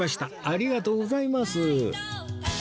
ありがとうございます